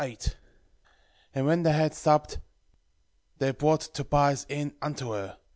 8:1 And when they had supped, they brought Tobias in unto her.